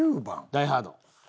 『ダイ・ハード』。